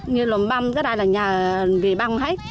như lùm băm cái đây là nhà về băm hết